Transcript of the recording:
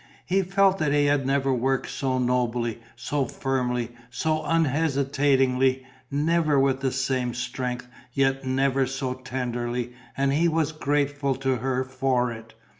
He felt that he had never worked so nobly, so firmly, so unhesitatingly, never with the same strength, yet never so tenderly; and he was grateful to her for it.